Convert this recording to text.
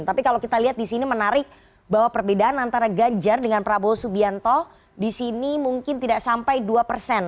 tapi kalau kita lihat di sini menarik bahwa perbedaan antara ganjar dengan prabowo subianto di sini mungkin tidak sampai dua persen